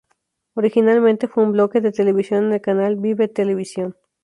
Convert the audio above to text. Originalmente fue un bloque de televisión en el canal ViVe Televisión.